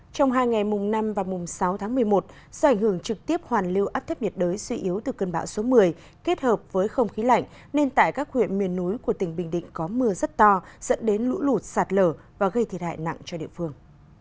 trong hai ngày mùng năm và mùng sáu tháng một mươi một do ảnh hưởng trực tiếp hoàn lưu áp thấp nhiệt đới suy yếu từ cơn bão số một mươi kết hợp với không khí lạnh nên tại các huyện miền núi của tỉnh bình định có mưa rất to dẫn đến lũ lụt sạt lở và gây thiệt hại nặng cho địa phương